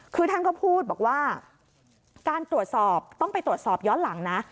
คือท่านก็พูดบอกว่าการตรวจสอบต้องไปตรวจสอบย้อนหลังนะ